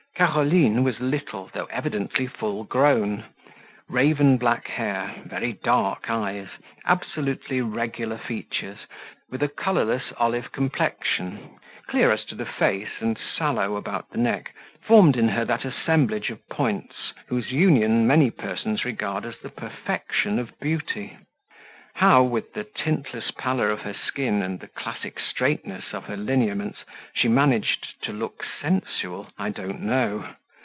Caroline was little, though evidently full grown; raven black hair, very dark eyes, absolutely regular features, with a colourless olive complexion, clear as to the face and sallow about the neck, formed in her that assemblage of points whose union many persons regard as the perfection of beauty. How, with the tintless pallor of her skin and the classic straightness of her lineaments, she managed to look sensual, I don't know.